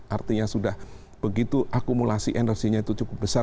artinya sudah begitu akumulasi energinya itu cukup besar